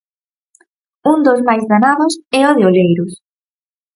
Un dos máis danados é o de Oleiros.